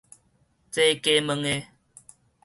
這加問的